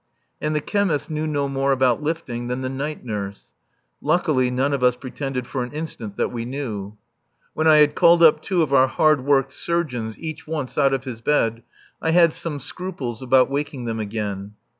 And the chemist knew no more about lifting than the night nurse. (Luckily none of us pretended for an instant that we knew!) When I had called up two of our hard worked surgeons each once out of his bed, I had some scruples about waking them again.